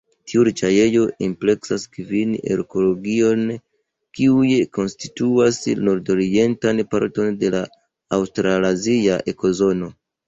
Tiu riĉaĵejo ampleksas kvin ekoregionojn kiuj konstituas la nordorientan parton de la aŭstralazia ekozono.